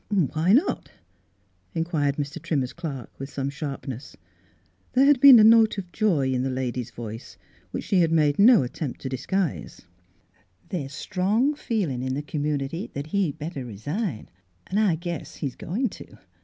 " Why not ?" inquired Mr. Trimmer's clerk, with some sharpness. There had been a note of joy in the lady's voice, Miss Fhilura's Wedding Gown which she had made no attempt to dis guise. " The's strong feelin' in the community that he'd better resign, an' I guess he's goin' to.